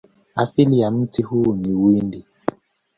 Asili ya mti huu ni Uhindi.